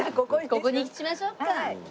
ここにしましょうか。